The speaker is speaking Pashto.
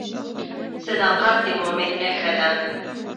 صداقت د مؤمن نښه ده.